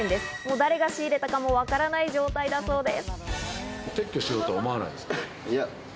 もう誰が仕入れたかもわからない状態だそうです。